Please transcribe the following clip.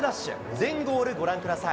全ゴールご覧ください。